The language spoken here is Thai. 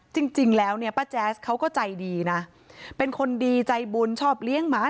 จริงแล้วเนี่ยป้าแจ๊สเขาก็ใจดีนะเป็นคนดีใจบุญชอบเลี้ยงหมา